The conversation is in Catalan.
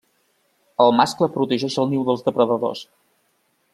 El mascle protegeix el niu dels depredadors.